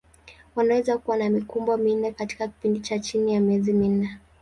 Wanaweza kuwa na mikumbo minne katika kipindi cha chini ya miezi minne.